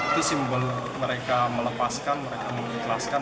itu simbol mereka melepaskan mereka mengikhlaskan